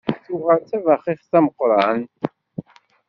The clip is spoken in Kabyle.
Tuɣal d abaxix ameqqran.